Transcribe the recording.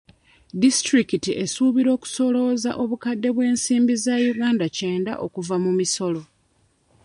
Disitulikiti esuubira okusolooza obukadde bw'ensimbi za Uganda kyenda okuva mu misolo.